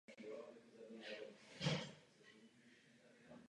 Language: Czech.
U absolventů středních odborných škol panuje obecná spokojenost s výběrem studia.